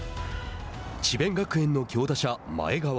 智弁学園の強打者前川。